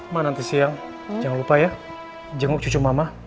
mak nanti siang jangan lupa ya jenguk cucu mama